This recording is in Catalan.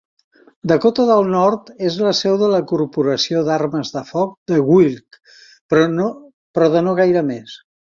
Dakota del Nord és la seu de la corporació d'armes de foc de Wilk, però de no gaire més.